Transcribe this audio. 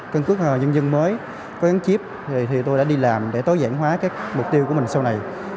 căn cứ dân dân mới có gắn chip thì tôi đã đi làm để tối giản hóa các mục tiêu của mình sau này